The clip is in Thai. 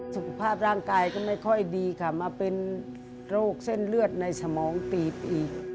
สุขภาพร่างกายก็ไม่ค่อยดีค่ะมาเป็นโรคเส้นเลือดในสมองตีบอีก